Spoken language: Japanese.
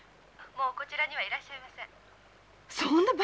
☎もうこちらにはいらっしゃいません。